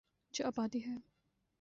جو آبادی ہے۔